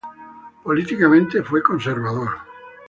Políticamente, fue conservador.